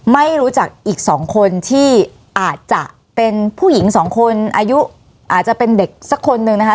ไม่รู้จักอีกสองคนที่อาจจะเป็นผู้หญิงสองคนอายุอาจจะเป็นเด็กสักคนนึงนะคะ